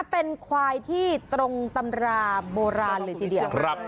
เป็นควายที่ตรงตำราโบราณเลยทีเดียว